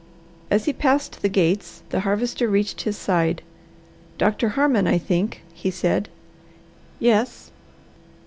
As he passed the gates the Harvester reached his side. "Doctor Harmon, I think," he said. "Yes."